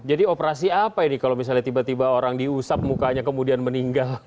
jadi operasi apa ini kalau misalnya tiba tiba orang diusap mukanya kemudian meninggal